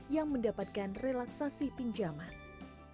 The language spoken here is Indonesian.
yang mendapatkan relaksasi pinjaman pada dua ribu dua puluh